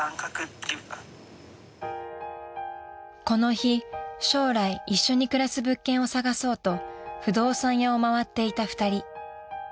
［この日将来一緒に暮らす物件を探そうと不動産屋を回っていた２人］